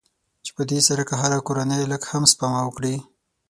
چې په دې سره که هره کورنۍ لږ هم سپما وکړي.